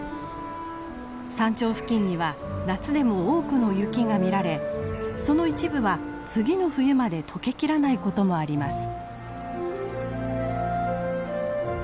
山頂付近には夏でも多くの雪が見られその一部は次の冬まで解けきらないこともあります。